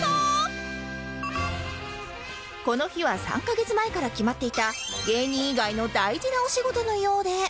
この日は３カ月前から決まっていた芸人以外の大事なお仕事のようで